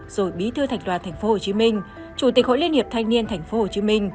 rồi bí thư thành đoàn tp hcm chủ tịch hội liên hiệp thanh niên tp hcm